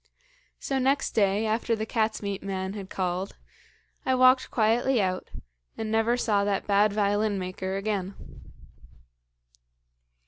"So next day, after the cat's meat man had called, I walked quietly out, and never saw that bad violin maker again.